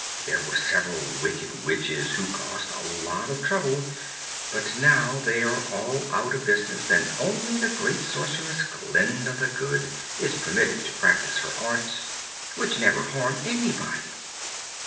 There were several wicked Witches who caused a lot of trouble; but now they are all out of business and only the great Sorceress, Glinda the Good, is permitted to practice her arts, which never harm anybody.